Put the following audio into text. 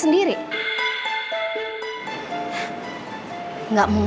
ini terjinder gue ya